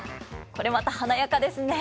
これまた華やかですね。